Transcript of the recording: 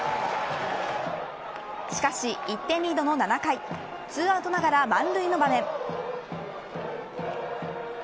しかし、１点リードの７回２アウトながら満塁の場面。